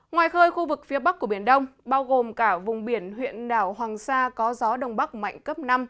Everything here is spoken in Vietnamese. ngoài khơi khu vực phía bắc của biển đông bao gồm cả vùng biển huyện đảo hoàng sa có gió đông bắc mạnh cấp năm